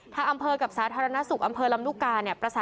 ถ้าอำเภอกับสาธารณสุขอำเภอลำนูกกา